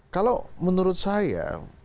kalau menurut saya